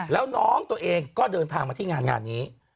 แล้วน้องตัวเองก็เดินทางมาที่งานงานนี้